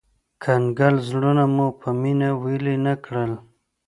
کنګل زړونه مو په مينه ويلي نه کړل